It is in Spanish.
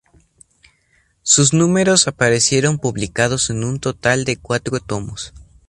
Sus números aparecieron publicados en un total de cuatro tomos.